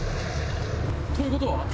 ということは？